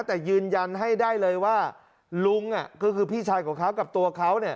แต่ยืนยันให้ได้เลยว่าลุงก็คือพี่ชายของเขากับตัวเขาเนี่ย